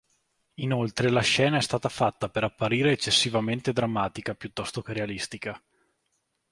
Inoltre la scena è stata fatta per apparire eccessivamente drammatica piuttosto che realistica.